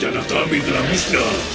saya harus tinggalkan mereka